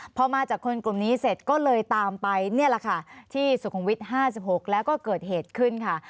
พอมาจากคนกลุ่มนี้เสร็จก็เลยตามไปนี่แหละค่ะที่สุขุมวิทย์๕๖แล้วก็เกิดเหตุขึ้นค่ะ